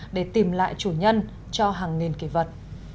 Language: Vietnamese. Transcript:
để tìm lại chủ nhân cho hàng nghìn kỳ vật